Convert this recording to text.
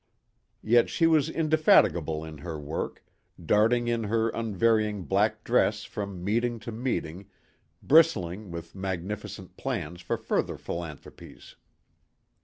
Yet she was indefatigable in her work, darting in her unvarying black dress from meeting to meeting, bristling with magnificent plans for further philanthropies.